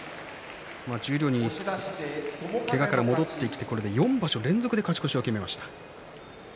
十両に戻ってきてこれで４場所連続勝ち越しを決めました。